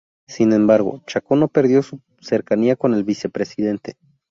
Sin embargo, Chacón no perdió su cercanía con el Vicepresidente.